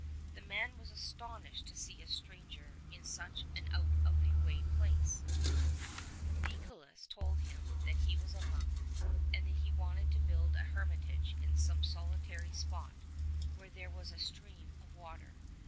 6o The man was astonished to see a stranger in such an out of the way place; Deicolus told him that he was a monk, and that he wanted to build a hermitage in some solitary spot where there was a stream of water.